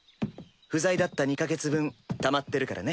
不在だった２か月分たまってるからね。